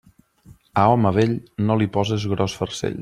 A home vell, no li poses gros farcell.